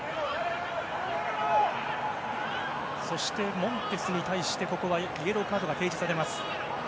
そして、モンテスに対してイエローカードが提示されます。